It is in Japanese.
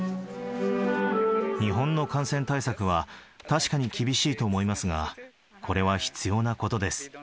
日本の感染対策は、確かに厳しいと思いますが、これは必要なことです。